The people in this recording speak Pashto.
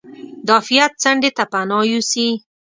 د عافیت څنډې ته پناه یوسي.